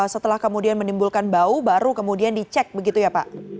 setelah kemudian menimbulkan bau baru kemudian dicek begitu ya pak